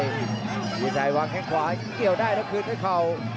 พี่จิตชัยวางแข่งขวาอย่างเดียวได้แล้วคืนให้เขา